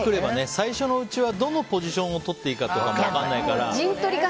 最初のうちはどのポジションをとっていいか分からないから。